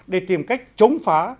để tìm cách chống phá